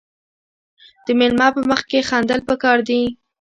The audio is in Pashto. د میلمه په مخ کې خندل پکار دي.